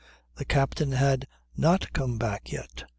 The captain had not come back yet.